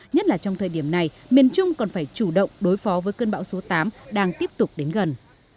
nhất là trong thời điểm này miền trung còn phải chủ động đối phó với cơn bão số tám đang tiếp tục đến gần